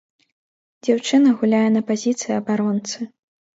Дзяўчына гуляе на пазіцыі абаронцы.